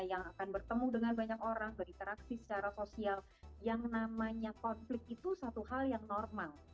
yang akan bertemu dengan banyak orang berinteraksi secara sosial yang namanya konflik itu satu hal yang normal